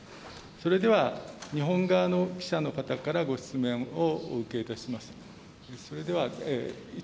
それでは日本側の記者の方からご質問をお受けいたします。